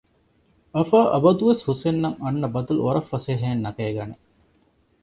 އަފާ އަބަދުވެސް ހުސެންއަށް އަންނަ ބަދަލު ވަރަށް ފަސޭހައިން ނަގައިގަނެ